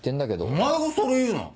お前がそれ言うな！